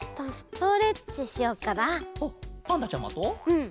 うん。